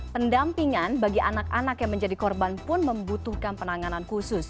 pendampingan bagi anak anak yang menjadi korban pun membutuhkan penanganan khusus